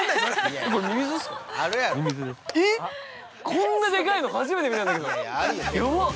こんなでかいの初めて見たんだけど、やばっ。